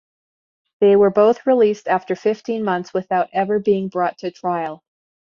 They were both released after fifteen months without ever being brought to trial.